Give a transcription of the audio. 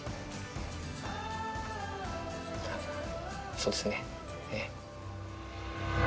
そうですね。